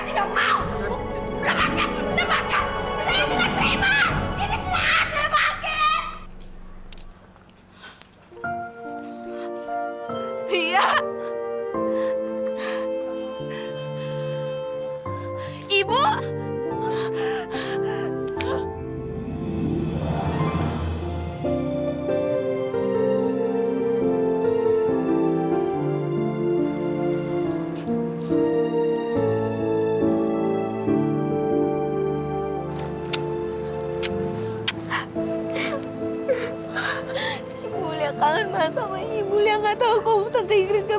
ngesayangan dari badir ngesayangan membalas semua perbuatan mereka